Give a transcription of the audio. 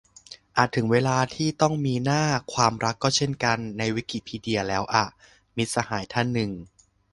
"อาจถึงเวลาที่ต้องมี หน้า ความรักก็เช่นกัน ในวิกิพีเดียแล้วอะ" - มิตรสหายท่านหนึ่ง